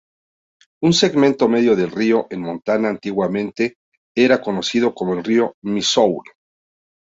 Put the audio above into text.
Un segmento medio del río en Montana antiguamente era conocido como el río Missoula.